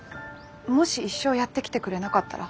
もし一生やって来てくれなかったら？